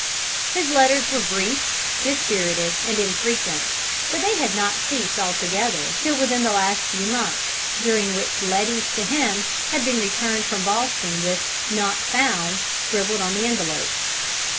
His letters were brief, dispirited, and infrequent, but they had not ceased altogether till within the last few months, during which Letty's to him had been returned from Boston with "Not found" scribbled on the envelopes.